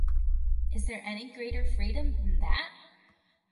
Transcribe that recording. Is there any greater freedom than that?